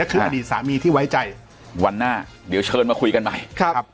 คืออดีตสามีที่ไว้ใจวันหน้าเดี๋ยวเชิญมาคุยกันใหม่ครับ